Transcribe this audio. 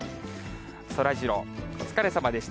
そらジロー、お疲れさまでした。